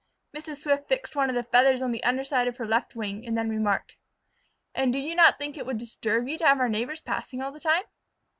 Mrs. Swift fixed one of the feathers on the under side of her left wing, and then remarked: "And you do not think it would disturb you to have our neighbors passing all the time."